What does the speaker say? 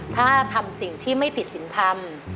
ถ้าทำสิ่งที่ไม่ผิดศิลป์ทำ